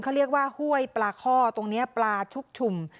เขาเรียกว่าห้วยปลาข้อตรงนี้ปลาชุกชุม